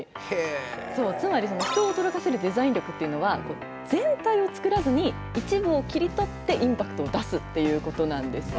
つまり人を驚かせるデザイン力っていうのは全体を作らずに一部を切り取ってインパクトを出すっていうことなんですね。